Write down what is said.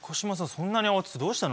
そんなに慌ててどうしたの？